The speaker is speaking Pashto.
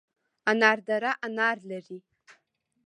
انار دره انار لري؟